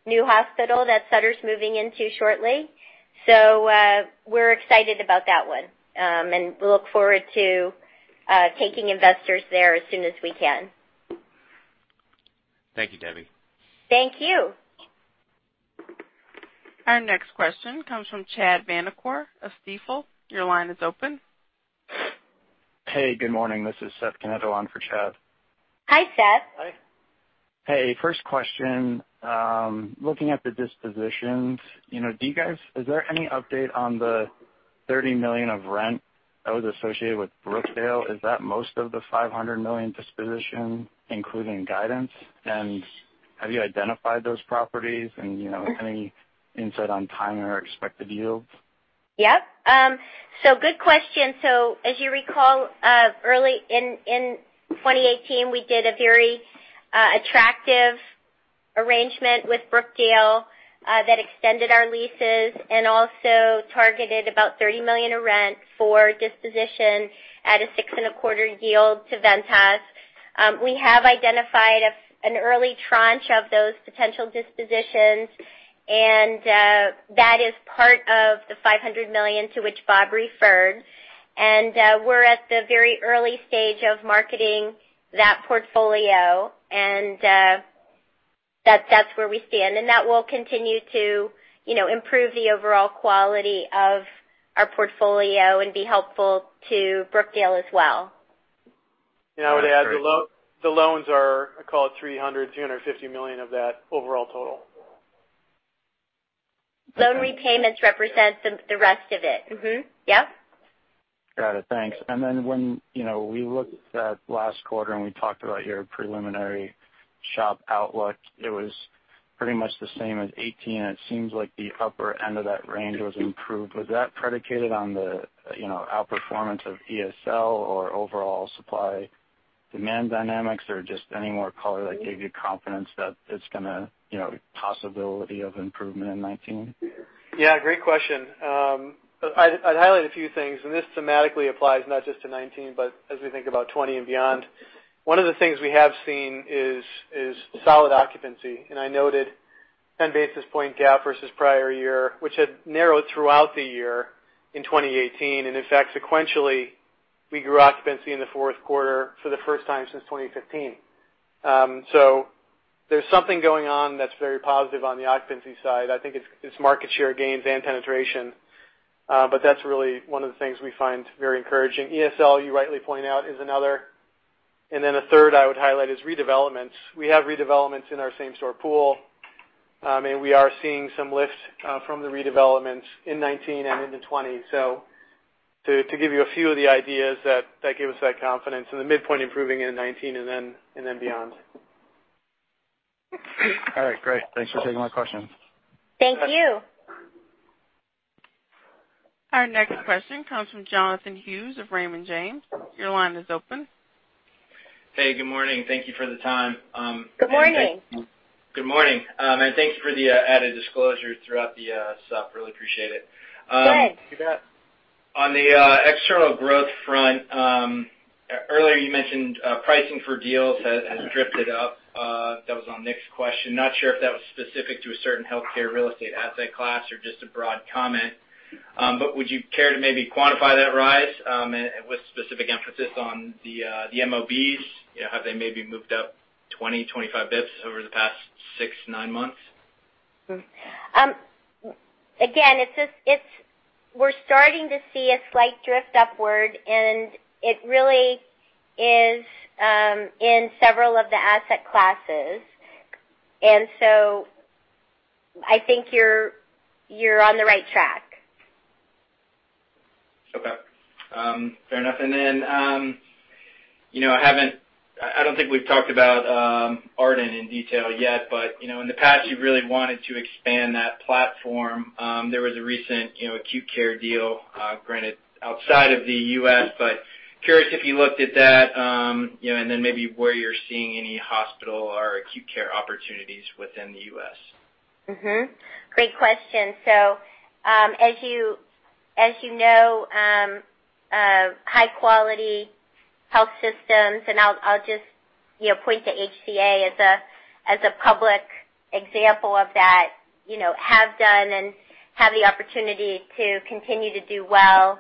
new hospital that Sutter's moving into shortly. We're excited about that one. We look forward to taking investors there as soon as we can. Thank you, Debbie. Thank you. Our next question comes from Chad Vanacore of Stifel. Your line is open. Hey, good morning. This is Seth Canetto for Chad. Hi, Seth. Hey, first question. Looking at the dispositions, is there any update on the $30 million of rent that was associated with Brookdale? Is that most of the $500 million disposition, including guidance? Have you identified those properties? Any insight on timing or expected yield? Yep. Good question. As you recall, early in 2018, we did a very attractive arrangement with Brookdale that extended our leases and also targeted about $30 million of rent for disposition at a six-and-a-quarter yield to Ventas. We have identified an early tranche of those potential dispositions, That is part of the $500 million to which Bob referred. We're at the very early stage of marketing that portfolio. That's where we stand. That will continue to improve the overall quality of our portfolio and be helpful to Brookdale as well. I would add. The loans are, call it $300 million-$350 million of that overall total. Loan repayments represent the rest of it. Yep. Got it. Thanks. When we looked at last quarter, and we talked about your preliminary SHOP outlook, it was pretty much the same as 2018, and it seems like the upper end of that range was improved. Was that predicated on the outperformance of ESL or overall supply-demand dynamics, or just any more color that gave you confidence that the possibility of improvement in 2019? Yeah, great question. I'd highlight a few thing; this thematically applies not just to 2019, but as we think about 2020 and beyond. One of the things we have seen is solid occupancy, and I noted 10 basis point gap versus prior year, which had narrowed throughout the year in 2018. In fact, sequentially, we grew occupancy in the fourth quarter for the first time since 2015. There's something going on that's very positive on the occupancy side. I think it's market share gains and penetration. That's really one of the things we find very encouraging. ESL, you rightly point out, is another. A third I would highlight is redevelopments. We have redevelopments in our same-store pool. We are seeing some lift from the redevelopments in 2019 and into 2020. To give you a few of the ideas that gave us that confidence, the midpoint improving in 2019, beyond. All right. Great. Thanks for taking my question. Thank you. Our next question comes from Jonathan Hughes of Raymond James. Your line is open. Hey, good morning. Thank you for the time. Good morning. Good morning. Thank you for the added disclosure throughout the SHOP. Really appreciate it. Good On the external growth front, earlier, you mentioned pricing for deals has drifted up. That was on Nick's question. Not sure if that was specific to a certain healthcare real estate asset class or just a broad comment. Would you care to maybe quantify that rise, and with specific emphasis on the MOBs? Have they maybe moved up 20, 25 basis points over the past six, nine months? Again, we're starting to see a slight drift upward, and it really is in several of the asset classes. I think you're on the right track. Okay. Fair enough. I don't think we've talked about Ardent in detail yet, but in the past, you've really wanted to expand that platform. There was a recent acute care deal, granted outside of the U.S., but curious if you looked at that, and then maybe where you're seeing any hospital or acute care opportunities within the U.S. Great question. As you know, high-quality health systems, and I'll just point to HCA as a public example of that, have done and have the opportunity to continue to do well.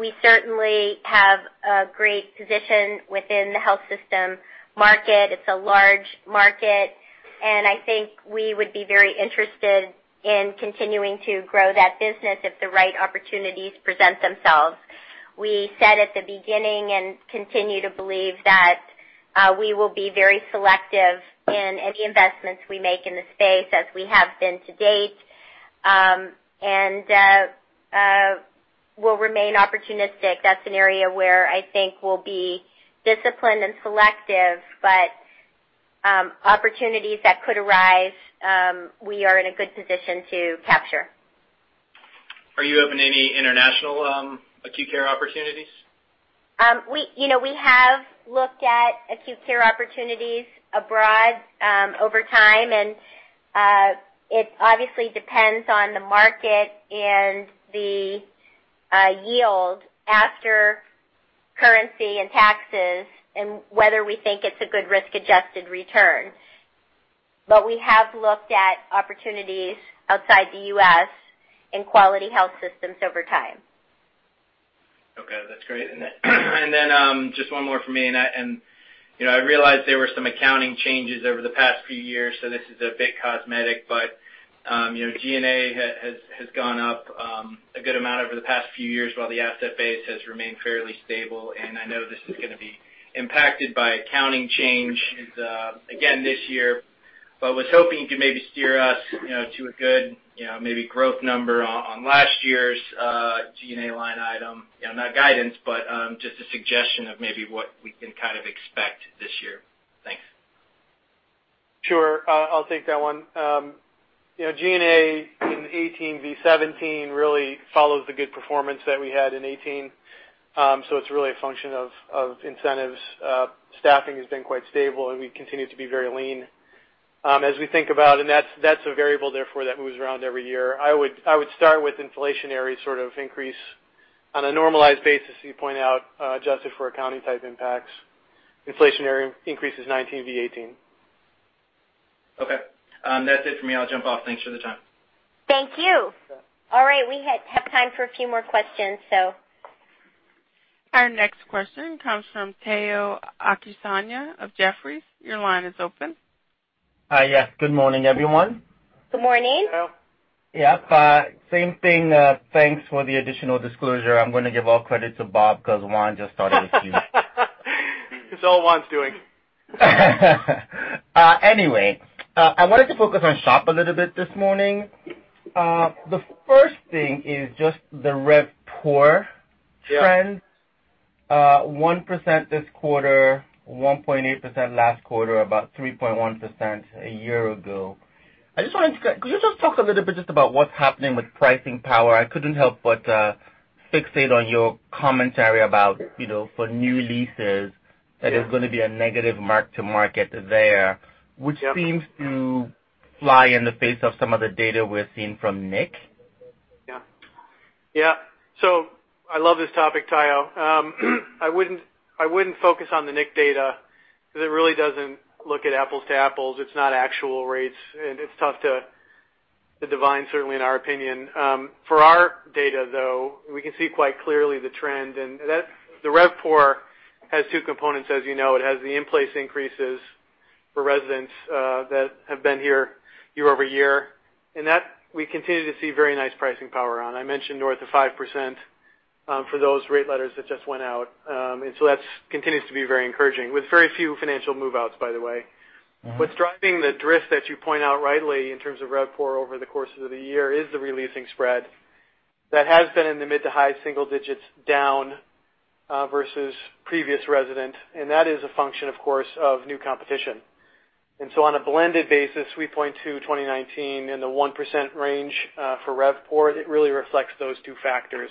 We certainly have a great position within the health system market. It's a large market, and I think we would be very interested in continuing to grow that business if the right opportunities present themselves. We said at the beginning, and continue to believe, that we will be very selective in any investments we make in the space as we have been to date, and we'll remain opportunistic. That's an area where I think we'll be disciplined and selective, but opportunities that could arise, we are in a good position to capture. Are you open to any international acute care opportunities? We have looked at acute care opportunities abroad over time, and it obviously depends on the market and the yield after currency and taxes and whether we think it's a good risk-adjusted return. We have looked at opportunities outside the U.S. in quality health systems over time. Okay, that's great. Just one more from me. I realize there were some accounting changes over the past few years. This is a bit cosmetic, G&A has gone up a good amount over the past few years, while the asset base has remained fairly stable. I know this is going to be impacted by accounting change again this year, was hoping you could maybe steer us to a good, maybe growth number on last year's G&A line item. Not guidance, but just a suggestion of maybe what we can kind of expect this year. Thanks. Sure. I'll take that one. G&A in 2018 v 2017 really follows the good performance that we had in 2018. It's really a function of incentives. Staffing has been quite stable. We continue to be very lean. That's a variable, therefore, that moves around every year. I would start with inflationary sort of increase on a normalized basis, as you point out, adjusted for accounting-type impacts. Inflationary increase is 2019 v 2018. Okay. That's it for me. I'll jump off. Thanks for the time. Thank you. All right. We have time for a few more questions. Our next question comes from Tayo Okusanya of Jefferies. Your line is open. Hi. Yes. Good morning, everyone. Good morning. Tayo. Yeah. Same thing, thanks for the additional disclosure. I'm going to give all credit to Bob because Juan just started this queue. It's all Juan's doing. I wanted to focus on SHOP a little bit this morning. The first thing is just the RevPOR trends. 1% this quarter, 1.8% last quarter, about 3.1% a year ago. Could you just talk a little bit just about what's happening with pricing power? I couldn't help but fixate on your commentary about for new leases, that there's going to be a negative mark-to-market there, which seems to fly in the face of some of the data we're seeing from Nick? Yeah. I love this topic, Tayo. I wouldn't focus on the Nick data because it really doesn't look apples-to-apples. It's not actual rates, and it's tough to divine, certainly in our opinion. For our data, though, we can see quite clearly the trend, and the RevPOR has two components, as you know. It has the in-place increases for residents that have been here year-over-year, and that we continue to see very nice pricing power on. I mentioned north of 5% for those rate letters that just went out. That continues to be very encouraging with very few financial move-outs, by the way. What's driving the drift that you point out rightly in terms of RevPOR over the course of the year is the re-leasing spread that has been in the mid to high single digits down versus previous resident, and that is a function, of course, of new competition. On a blended basis, we point to 2019 in the 1% range for RevPOR. It really reflects those two factors.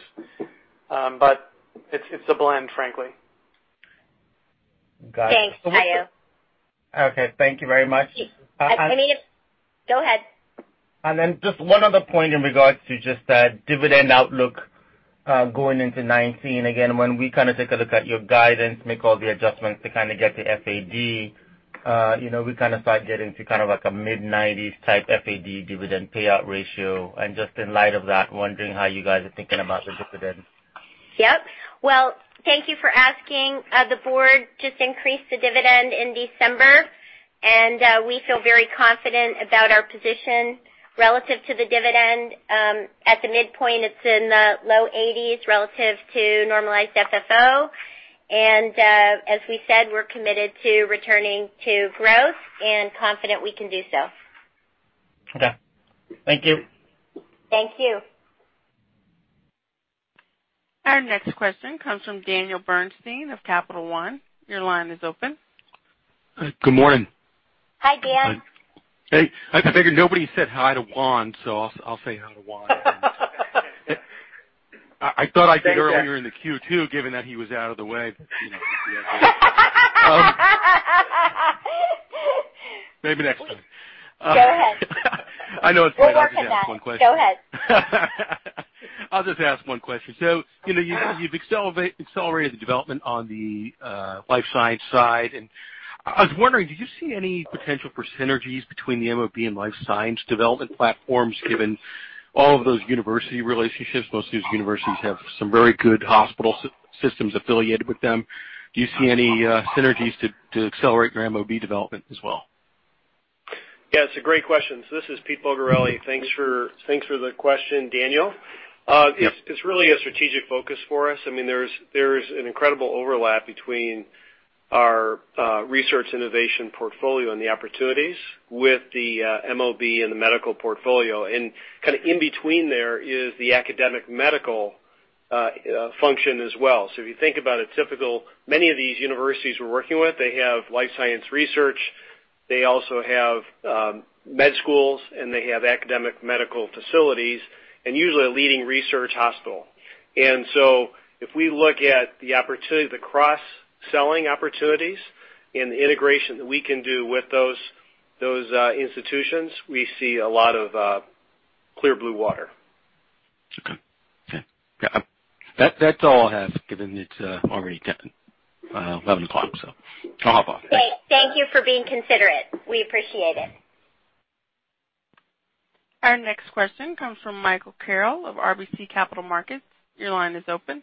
It's a blend, frankly. Got it. Thanks, Tayo. Okay. Thank you very much. Go ahead. Just one other point in regards to just that dividend outlook, going into 2019. When we take a look at your guidance, make all the adjustments to get to FAD, we start getting to a mid-90s type FAD dividend payout ratio. Just in light of that, wondering how you guys are thinking about the dividend. Yep. Well, thank you for asking. The board just increased the dividend in December, and we feel very confident about our position relative to the dividend. At the midpoint, it's in the low 80s relative to normalized FFO. As we said, we're committed to returning to growth and confident we can do so. Okay. Thank you. Thank you. Our next question comes from Daniel Bernstein of Capital One. Your line is open. Good morning. Hi, Dan. Hey. I figured nobody said hi to Juan, so I'll say hi to Juan. I thought I did earlier in the queue, too, given that he was out of the way. Maybe next time. Go ahead. I know it's late. I'll just ask one question. Go ahead. I'll just ask one question. You've accelerated the development on the life science side, and I was wondering, do you see any potential for synergies between the MOB and life science development platforms, given all of those university relationships? Most of these universities have some very good hospital systems affiliated with them. Do you see any synergies to accelerate your MOB development as well? It's a great question. This is Pete Bulgarelli. Thanks for the question, Daniel. It's really a strategic focus for us. There's an incredible overlap between our research innovation portfolio and the opportunities with the MOB and the medical portfolio. In between there is the academic medical function as well. If you think about a typical, many of these universities we're working with, they have life science research, they also have med schools, and they have academic medical facilities, and usually a leading research hospital. If we look at the cross-selling opportunities and the integration that we can do with those institutions, we see a lot of clear blue water. That's all I have, given it's already 11 o'clock, I'll hop off. Thank you for being considerate. We appreciate it. Our next question comes from Mike Carroll of RBC Capital Markets. Your line is open.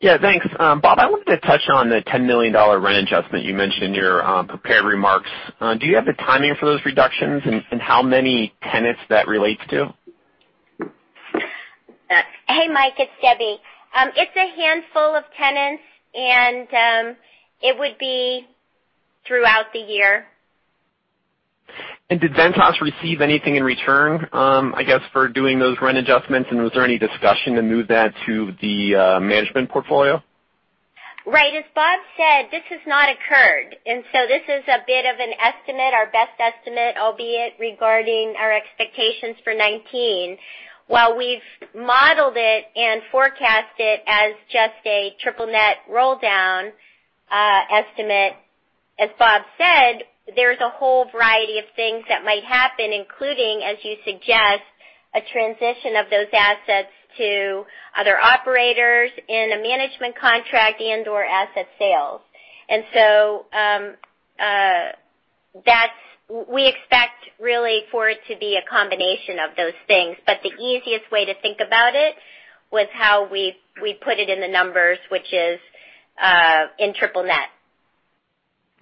Yeah. Thanks. Bob, I wanted to touch on the $10 million rent adjustment you mentioned in your prepared remarks. Do you have the timing for those reductions and how many tenants that relates to? Hey, Mike, it's Debbie. It's a handful of tenants, and it would be throughout the year. Did Ventas receive anything in return, I guess, for doing those rent adjustments, and was there any discussion to move that to the management portfolio? Right. As Bob said, this has not occurred; this is a bit of an estimate, our best estimate, albeit regarding our expectations for 2019. While we've modeled it and forecast it as just a triple net roll-down estimate, as Bob said, there's a whole variety of things that might happen, including, as you suggest, a transition of those assets to other operators in a management contract and/or asset sales. We expect, really, for it to be a combination of those things. The easiest way to think about it was how we put it in the numbers, which is in triple net.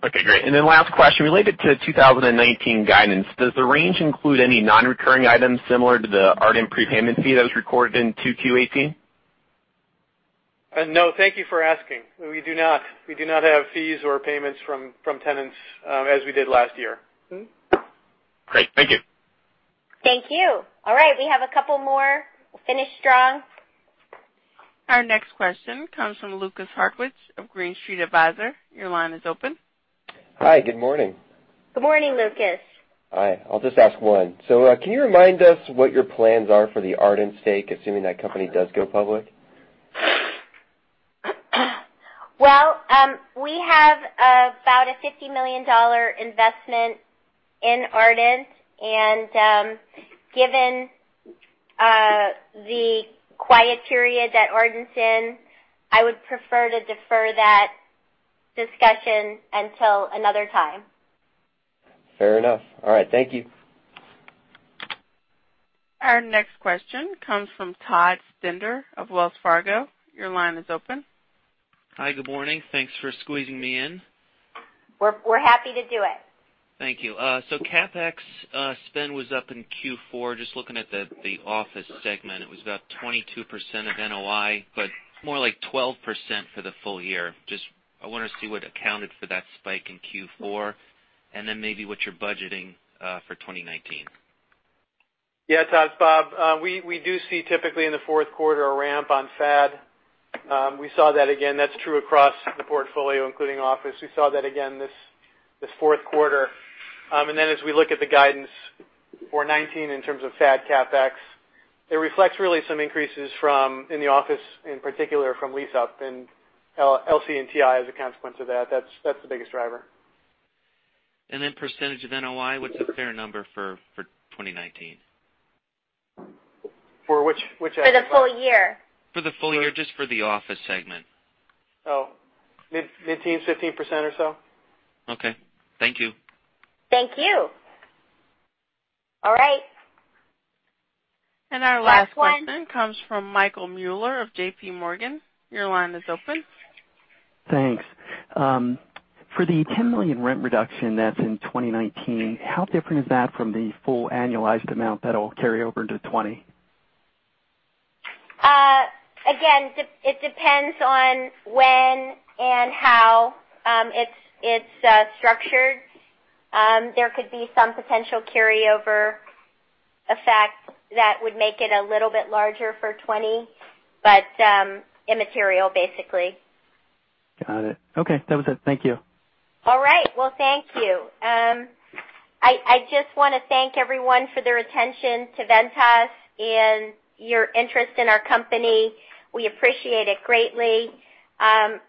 Okay, great. Last question. Related to 2019 guidance, does the range include any non-recurring items similar to the Ardent prepayment fee that was recorded in 2Q 2018? No. Thank you for asking. We do not have fees or payments from tenants, as we did last year. Great. Thank you. Thank you. All right. We have a couple more. We'll finish strong. Our next question comes from Lukas Hartwich of Green Street Advisors. Your line is open. Hi, good morning. Good morning, Lukas. Hi. I'll just ask one. Can you remind us what your plans are for the Ardent stake, assuming that company does go public? Well, we have about a $50 million investment in Ardent, and given the quiet period that Ardent's in, I would prefer to defer that discussion until another time. Fair enough. All right. Thank you. Our next question comes from Todd Stender of Wells Fargo. Your line is open. Hi. Good morning. Thanks for squeezing me in. We're happy to do it. Thank you. CapEx spend was up in Q4. Looking at the office segment, it was about 22% of NOI, but more like 12% for the full year. I want to see what accounted for that spike in Q4 and then maybe what you're budgeting for 2019. Yeah. Todd, it's Bob. We do see typically in the fourth quarter a ramp on FAD. We saw that again. That's true across the portfolio, including office. We saw that again this fourth quarter. As we look at the guidance for 2019 in terms of FAD CapEx, it reflects really some increases from, in the office, in particular from lease up and LC and TI as a consequence of that. That's the biggest driver. Percentage of NOI, what's a fair number for 2019? For which aspect? For the full year. For the full year, just for the office segment. Mid-teens, 15% or so. Okay. Thank you. Thank you. All right. Our last question comes from Michael Mueller of JPMorgan. Your line is open. Thanks. For the $10 million rent reduction that's in 2019, how different is that from the full annualized amount that'll carry over into 2020? It depends on when and how it's structured. There could be some potential carryover effect that would make it a little bit larger for 2020, but immaterial, basically. Got it. Okay. That was it. Thank you. All right. Well, thank you. I just want to thank everyone for their attention to Ventas and your interest in our company. We appreciate it greatly.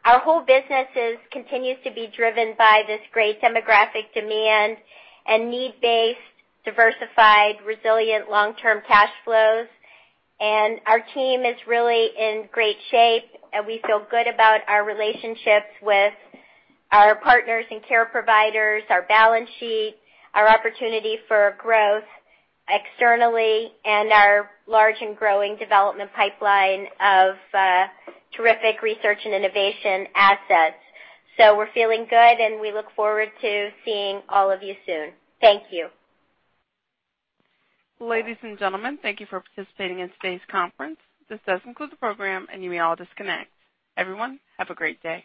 Our whole business continues to be driven by this great demographic demand and need-based, diversified, resilient long-term cash flows. Our team is really in great shape, and we feel good about our relationships with our partners and care providers, our balance sheet, our opportunity for growth externally, and our large and growing development pipeline of terrific Research & Innovation assets. We're feeling good, and we look forward to seeing all of you soon. Thank you. Ladies and gentlemen, thank you for participating in today's conference. This does conclude the program, and you may all disconnect. Everyone, have a great day.